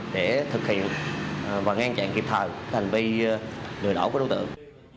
để thực hiện và ngăn chặn kịp thời hành vi lừa đảo của đối tượng